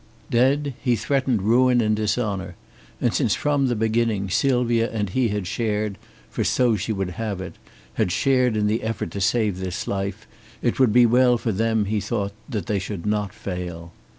Dead, he threatened ruin and dishonor, and since from the beginning Sylvia and he had shared for so she would have it had shared in the effort to save this life, it would be well for them, he thought that they should not fail.